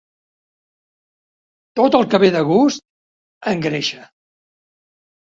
Tot el que ve de gust, engreixa.